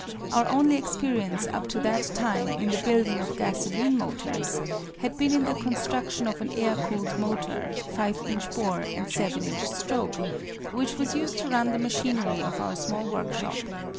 Our only experience up to that time in the building of gasoline motors had been in the construction of an air cooled motor, 5 inch bore and 7 inch stroke, which was used to run the machinery of our small workshop.